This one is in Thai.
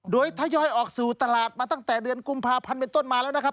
โดยทยอยออกสู่ตลาดมาตั้งแต่เดือนกุมภาพันธ์เป็นต้นมาแล้วนะครับ